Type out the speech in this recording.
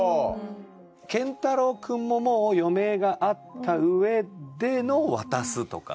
健太郎くんももう余命があった上での渡すとか。